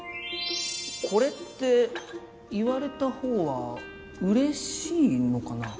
これって言われたほうは嬉しいのかな。